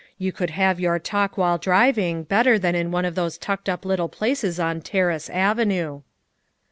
You could have your talk while driving, better than in one of those tucked up little places on Terrace Avenue."